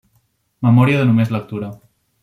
Memòria de només lectura.